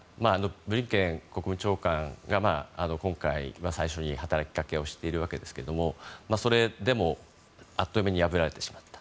ブリンケン国務長官が今回、最初に働きかけをしているわけですけれどもそれでも、あっという間に破られてしまった。